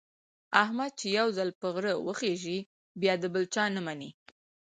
احمد چې یو ځل په غره وخېژي، بیا د بل چا نه مني.